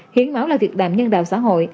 hiến máu là việc đạm nhân đạo xã hội